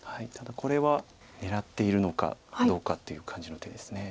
ただこれは狙っているのかどうかという感じの手です。